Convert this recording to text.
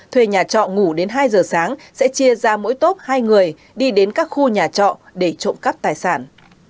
thuê nhà trọ ngủ đến hai giờ sáng sẽ chia ra mỗi tốp hai người đi đến các khu nhà trọ để trộm cắp tài sản